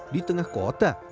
di tengah kota